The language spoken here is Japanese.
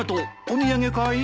お土産かい？